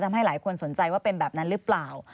ทำให้หลายคนสนใจว่าเป็นแบบนั้นหรือเปล่า